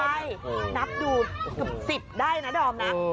ใช่นับดูเกือบ๑๐ได้นะดอมนะ